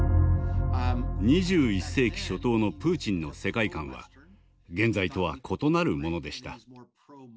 ２１世紀初頭のプーチンの世界観は現在とは異なるものでした。